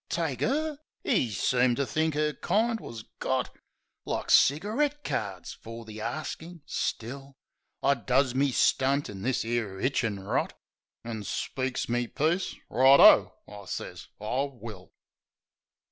Take 'er? 'E seemed to think 'er kind was got Like cigarette cards, fer the arstin'. Still, I does me stunt in this 'ere hitchin' rot, An' speaks me piece: "Righto!" I sez, "I will."